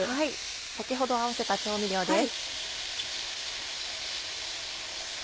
先ほど合わせた調味料です。